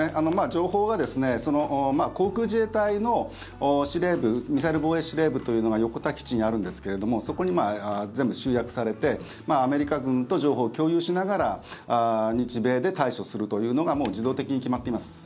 情報は航空自衛隊の司令部ミサイル防衛司令部というのが横田基地にあるんですけれどもそこに全部集約されてアメリカ軍と情報を共有しながら日米で対処するというのがもう自動的に決まっています。